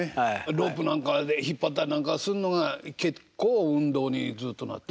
ロープなんかで引っ張ったりなんかすんのが結構運動にずっとなってる。